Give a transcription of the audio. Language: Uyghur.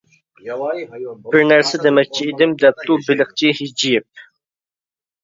بىر نەرسە دېمەكچى ئىدىم دەپتۇ بېلىقچى ھىجىيىپ.